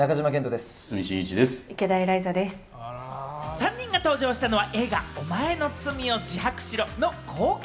３人が登場したのは映画『おまえの罪を自白しろ』の公開